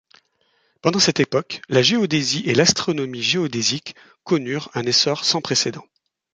Pendant cette époque, la géodésie et l'astronomie géodésique connurent un essor sans précédent.